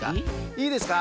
いいですか？